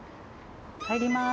入ります。